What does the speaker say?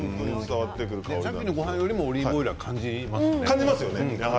さっきのごはんよりもオリーブオイルを感じますね。